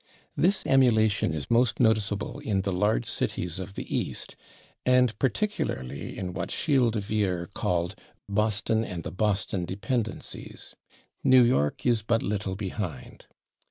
This emulation is most noticeable in the large cities of the East, and particularly in what Schele de Vere called "Boston and the Boston dependencies." New York is but little behind.